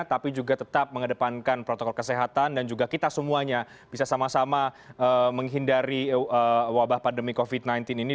tapi juga tetap mengedepankan protokol kesehatan dan juga kita semuanya bisa sama sama menghindari wabah pandemi covid sembilan belas ini